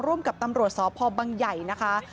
ร่วมกับตำรวจสพบังใหญ่นะคะ